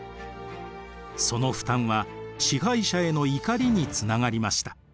その負担は支配者への怒りにつながりました。